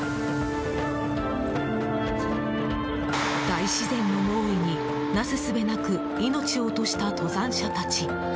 大自然の猛威に、なす術なく命を落とした登山者たち。